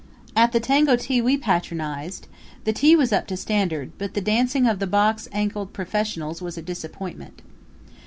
At the tango tea we patronized the tea was up to standard, but the dancing of the box ankled professionals was a disappointment.